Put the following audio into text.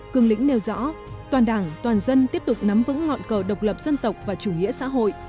cường lĩnh nêu rõ toàn đảng toàn dân tiếp tục nắm vững ngọn cờ độc lập dân tộc và chủ nghĩa xã hội